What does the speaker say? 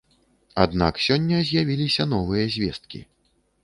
Аднак сёння з'явіліся новыя звесткі.